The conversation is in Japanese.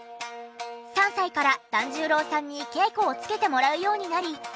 ３歳から團十郎さんに稽古をつけてもらうようになり。